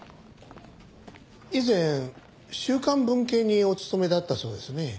以前週刊文啓にお勤めだったそうですね。